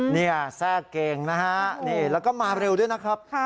นี่แทรกเกงนะฮะนี่แล้วก็มาเร็วด้วยนะครับ